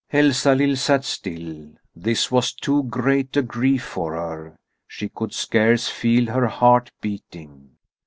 Elsalill sat still. This was too great a grief for her. She could scarce feel her heart beating.